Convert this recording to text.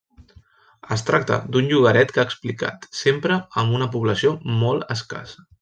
Es tracta d'un llogaret que ha explicat sempre amb una població molt escassa.